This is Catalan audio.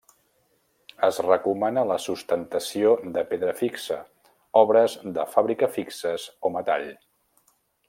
Es recomana la sustentació de pedra fixa, obres de fàbrica fixes o metall.